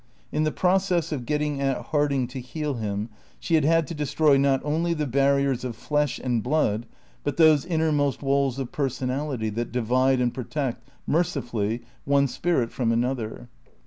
In the process of getting at Harding to heal him she had had to destroy not only the barriers of flesh and blood, but those innermost walls of personality that divide and protect, mercifully, one spirit from another.